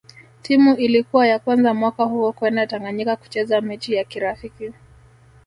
Timu Ilikuwa ya kwanza mwaka huo kwenda Tanganyika kucheza mechi ya kirafiki